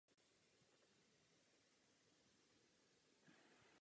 Našel své zalíbení ve vědě a to převážně v astronomii.